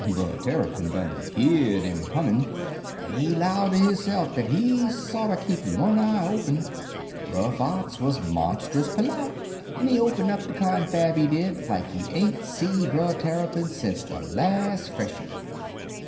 Brer Tarrypin done heerd 'im comin', en he 'low ter hisse'f dat he'd sorter keep one eye open; but Brer Fox wuz monstus perlite, en he open up de confab, he did, like he ain't see Brer Tarrypin sence de las' freshit.